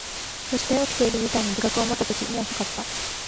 そして、起きている事態に自覚を持ったとき、もう遅かった。